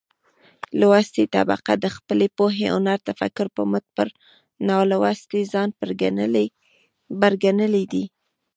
لوستې طبقه د خپلې پوهې، هنر ،تفکر په مټ پر نالوستې ځان بر ګنلى دى.